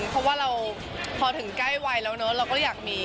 เพราะว่าเราพอถึงใกล้วัยแล้วเนอะเราก็อยากมี